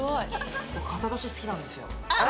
肩出し好きなんですよ。